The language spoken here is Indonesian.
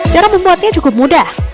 cara membuatnya cukup mudah